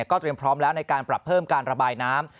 ก็เตรียมพร้อมแล้วในการปรับเพิ่มการระบายน้ำ